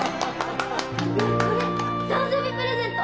これ誕生日プレゼント！